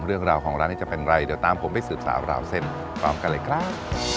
เรื่องราวของร้านนี้จะเป็นไรเดี๋ยวตามผมไปสืบสาวราวเส้นพร้อมกันเลยครับ